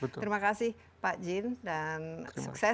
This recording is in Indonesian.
terima kasih pak jin dan sukses